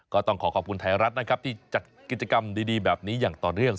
ก็ต้องขอขอบคุณไทยรัฐนะครับที่จัดกิจกรรมดีแบบนี้อย่างต่อเนื่อง